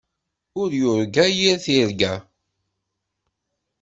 Ur yurga yir tirga.